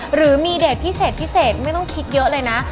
หรือมีเดทพิเศษพิเศษไม่ต้องคิดเยอะเลยนะ